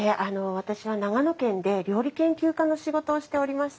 私は長野県で料理研究家の仕事をしておりました。